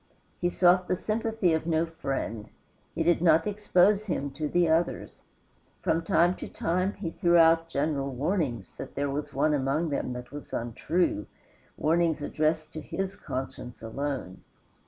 He sought the sympathy of no friend; he did not expose him to the others. From time to time he threw out general warnings that there was one among them that was untrue warnings addressed to his conscience alone.